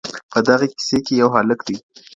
په دغي کیسې کي یو هلک دی.